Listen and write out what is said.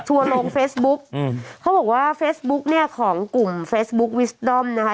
ลงเฟซบุ๊กอืมเขาบอกว่าเฟซบุ๊กเนี่ยของกลุ่มเฟซบุ๊ควิสดอมนะคะ